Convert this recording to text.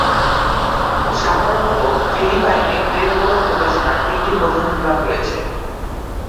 সাধারণত, ফিলিপাইনে প্রেমমূলক প্রকাশনার তিনটি প্রধান বিভাগ রয়েছে।